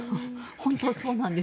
本当にそうなんです。